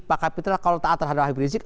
pak kapitra kalau taat terhadap habib rizik